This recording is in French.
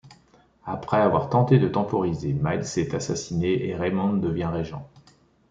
Après avoir tenté de temporiser, Miles est assassiné et Raymond devient régent.